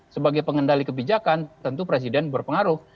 sebagai pengendali kebijakan tentu presiden berpengaruh